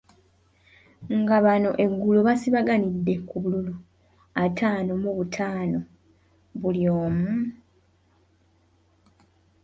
Nga bano eggulo baasibaganidde ku bululu ataano mu butaano buli omu.